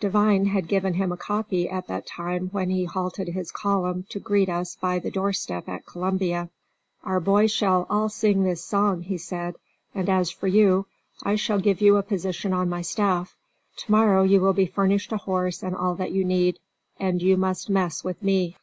Devine had given him a copy at that time when he halted his column to greet us by the door step at Columbia. "Our boys shall all sing this song," he said; "and as for you, I shall give you a position on my staff. Tomorrow you will be furnished a horse and all that you need; and you must mess with me."